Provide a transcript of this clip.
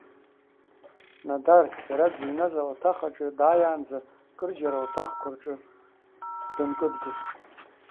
Нодар, иара дзыҩназ ауаҭах аҿы дааиаанӡа, кырџьара ауаҭахқәа рҿы дынкыдгылт.